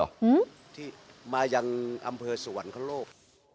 เล่าที่มาอย่างอำเภอสุวรรคโรค